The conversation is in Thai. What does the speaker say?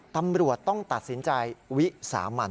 ตำรวจต้องตัดสินใจวิสามัน